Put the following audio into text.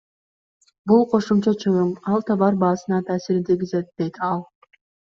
Бул кошумча чыгым, ал товар баасына таасирин тийгизет, — дейт ал.